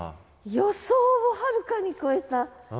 予想をはるかに超えた。